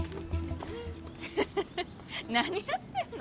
フフフ何やってんの？